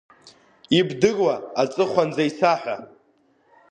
Ибдыруа аҵыхәанӡа исаҳәа!